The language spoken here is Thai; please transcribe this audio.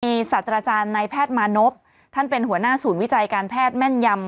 มีศาสตราจารย์ในแพทย์มานพท่านเป็นหัวหน้าศูนย์วิจัยการแพทย์แม่นยำ